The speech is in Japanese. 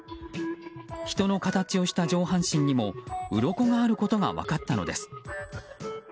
人の形をした上半身にもうろこがあることが分かったのです。